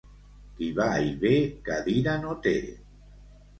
Qui va i ve, cadira no té.